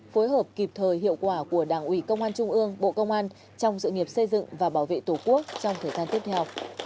phối hợp kịp thời hiệu quả của đảng ủy công an trung ương bộ công an trong sự nghiệp xây dựng và bảo vệ tổ quốc trong thời gian tiếp theo